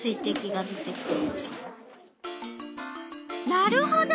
なるほど。